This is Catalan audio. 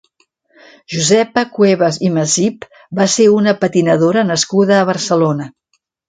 Josepa Cuevas i Masip va ser una patinadora nascuda a Barcelona.